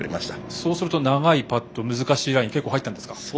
そうすると長いパット難しいラインが結構入ったんですか。